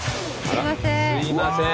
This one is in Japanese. すいません。